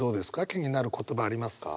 気になる言葉ありますか？